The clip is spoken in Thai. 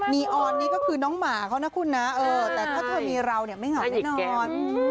ออนนี่ก็คือน้องหมาเขานะคุณนะแต่ถ้าเธอมีเราเนี่ยไม่เหงาแน่นอน